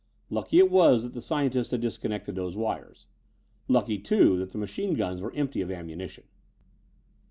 Lucky it was that the scientist had disconnected those wires; lucky too that the machine guns were empty of ammunition.